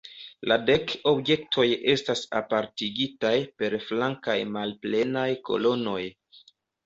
La dek objektoj estas apartigitaj per flankaj malplenaj kolonoj.